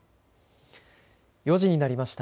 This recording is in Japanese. ４時になりました。